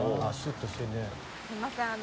すいませんあの。